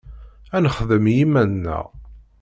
Ad nexdem i yiman-nneɣ.